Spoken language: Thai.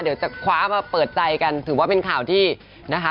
เดี๋ยวจะคว้ามาเปิดใจกันถือว่าเป็นข่าวที่นะคะ